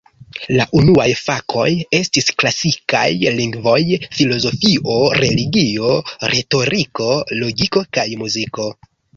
La unuaj fakoj estis klasikaj lingvoj, filozofio, religio, retoriko, logiko kaj muziko.